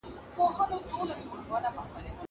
نړۍ د ازاد تګ راتګ سره کوچنۍ کیږي.